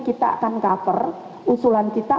kita akan cover usulan kita